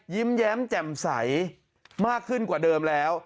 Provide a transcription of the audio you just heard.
ยิ้มแย้มแจ่มใสมากขึ้นกว่าเดิมแล้ว